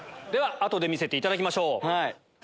後で見せていただきましょう。